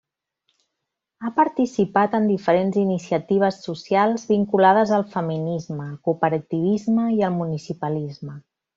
Ha participat en diferents iniciatives socials vinculades al feminisme, el cooperativisme i el municipalisme.